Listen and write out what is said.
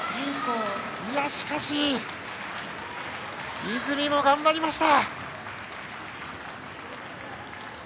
しかし、泉も頑張りました！